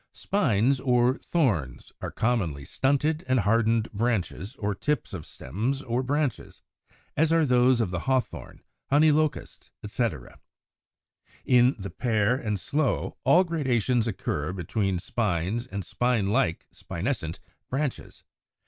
101. =Spines= or =Thorns= (Fig. 95, 96) are commonly stunted and hardened branches or tips of stems or branches, as are those of Hawthorn, Honey Locust, etc. In the Pear and Sloe all gradations occur between spines and spine like (spinescent) branches.